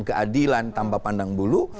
keadilan tanpa pandang bulu